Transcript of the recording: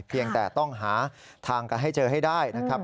เพียงแต่ต้องหาทางกันให้เจอให้ได้นะครับ